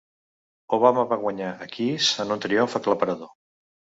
Obama va guanyar a Keyes en un triomf aclaparador.